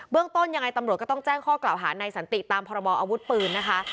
ต้นยังไงตำรวจก็ต้องแจ้งข้อกล่าวหาในสันติตามพรบออาวุธปืนนะคะ